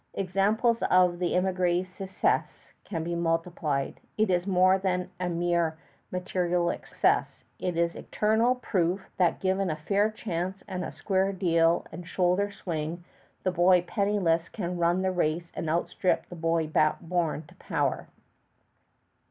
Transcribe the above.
Examples of the émigrés' success could be multiplied. It is more than a mere material success; it is eternal proof that, given a fair chance and a square deal and shoulder swing, the boy born penniless can run the race and outstrip the boy born to power.